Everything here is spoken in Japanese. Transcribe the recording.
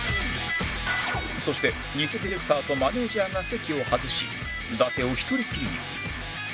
そしてニセディレクターとマネージャーが席を外し伊達を１人きりに